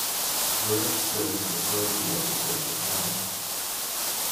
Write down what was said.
Vernet still has authority on the subject matter.